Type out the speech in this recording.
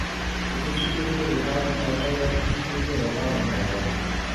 تو کسی کیلئے غذا بن جاتا ہے اور کسی کیلئے وباء بن جاتا ہے ۔